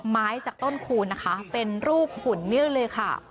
ไม้จากต้นคูณนะคะเป็นรูปหุ่นนี่เลยค่ะ